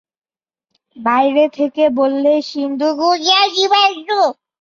বাইরে থেকে বললে সিন্ধু-গুজরাট সীমান্ত।